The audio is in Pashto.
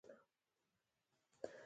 ولاړې که نه؟